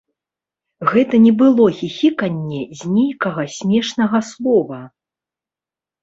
Гэта не было хіхіканне з нейкага смешнага слова.